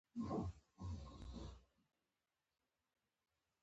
نجیب الدوله د احمدشاه ابدالي ټینګ طرفدار دی.